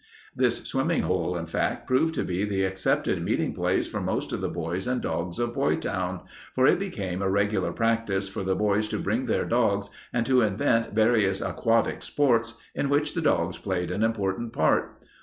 This swimming hole, in fact, proved to be the accepted meeting place for most of the boys and dogs of Boytown, for it became a regular practice for the boys to bring their dogs and to invent various aquatic sports in which the dogs played an important part.